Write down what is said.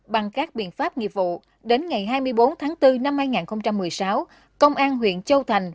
bằng các biện pháp nghiệp vụ đến ngày hai mươi bốn tháng bốn năm hai nghìn một mươi sáu công an huyện châu thành